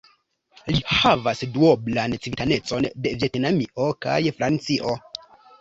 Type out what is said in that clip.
Li havas duoblan civitanecon de Vjetnamio kaj Francio.